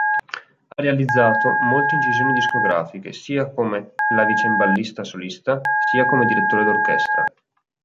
Ha realizzato molte incisioni discografiche, sia come clavicembalista solista, sia come direttore d'orchestra.